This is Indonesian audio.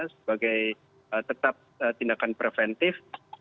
sebagai tetap tindakan preventif